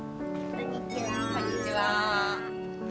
こんにちは。